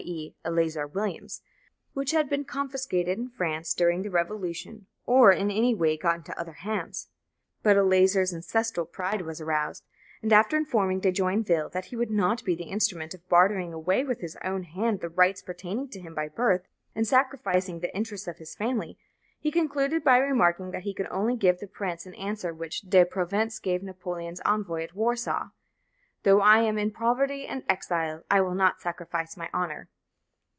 e._ Eleazar Williams], "which had been confiscated in France during the revolution, or in any way got into other hands." But Eleazar's ancestral pride was aroused, and after informing De Joinville that he would not be the instrument of bartering away with his own hand the rights pertaining to him by birth, and sacrificing the interests of his family, he concluded by remarking that he could only give the prince the answer which De Provence gave Napoleon's envoy at Warsaw: "Though I am in poverty and exile, I will not sacrifice my honour!"